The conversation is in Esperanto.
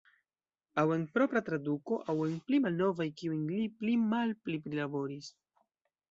Aŭ en propra traduko, aŭ en pli malnovaj kiujn li pli malpli prilaboris.